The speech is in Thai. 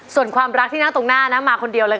ส่วนความรักที่นั่งตรงหน้านะมาคนเดียวเลย